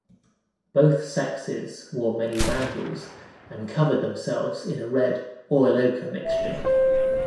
Both sexes wore many bangles, and covered themselves in a red oil-ochre mixture.